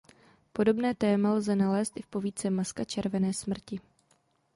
Podobné téma lze nalézt i v povídce Maska červené smrti.